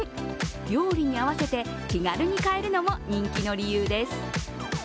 料理に合わせて気軽に買えるのも人気の理由です。